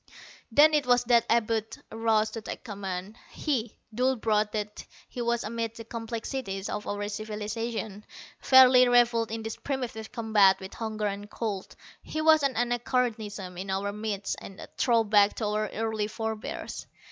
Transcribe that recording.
Then it was that Abud arose to take command. He, dull brute that he was amid the complexities of our civilization, fairly reveled in this primitive combat with hunger and cold. He was an anachronism in our midst, a throwback to our early forebears.